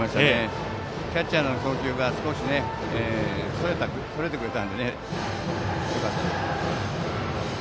キャッチャーの送球がそれてくれたのでよかったです。